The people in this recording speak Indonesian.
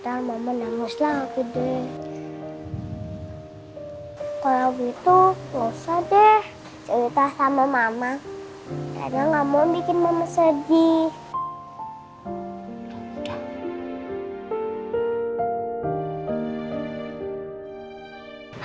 kalau gitu nggak usah deh cerita sama mama karena nggak mau bikin mama sedih